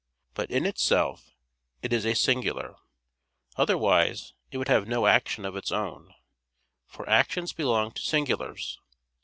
But in itself it is a singular, otherwise it would have no action of its own; for actions belong to singulars.